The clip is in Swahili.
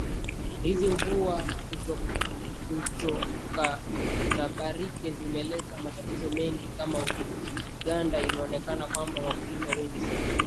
hizi mvua kutokutabirika zimeleta matatizo mengi kama uganda imeonekana kwamba wakulima wengi sana